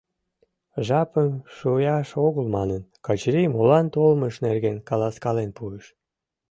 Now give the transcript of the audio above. Жапым шуяш огыл манын, Качырий молан толмыж нерген каласкален пуыш.